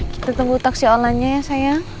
kita tunggu taksi onlinenya ya saya